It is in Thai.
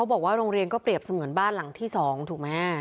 ไม่ก็เขาบอกว่ารงเรียนก็เปรียบเสมือนบ้านหลังที่สองถูกไหม